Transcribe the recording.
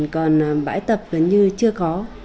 còn bãi tập gần như chưa có